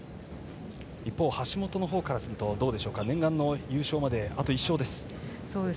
一方、橋本からするとどうでしょう念願の優勝まで、あと１勝です。